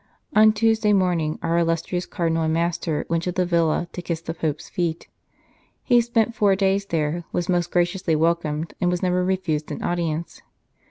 On Tuesday morning our illustrious Cardinal and master went to the Villa to kiss the Pope s feet. He spent four days there, was most graciously welcomed, and was never refused an audience.